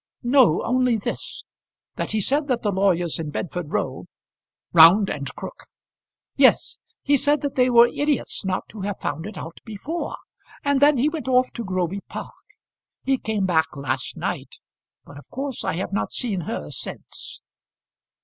"No; only this; that he said that the lawyers in Bedford Row " "Round and Crook." "Yes; he said that they were idiots not to have found it out before; and then he went off to Groby Park. He came back last night; but of course I have not seen her since."